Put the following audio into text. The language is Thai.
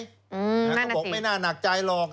น่าหนักสินะครับผมไม่น่าหนักใจหรอก